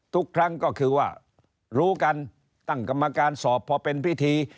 ทุกครั้งก็คือว่ารู้กันตั้งกรรมการสอบพอเป็นพิธี